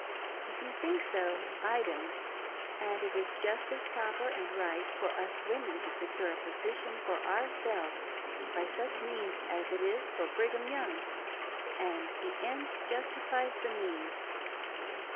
If you think so, I don't ; and it is just as proper and right for us women to secure a position for ourselves by such means as it is for Brig ham Young — the end justifies the means."